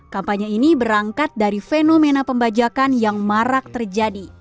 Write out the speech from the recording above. kampanye ini berangkat dari fenomena pembajakan yang marak terjadi